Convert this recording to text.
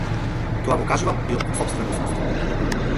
Тоа го кажувам и од сопствено искуство.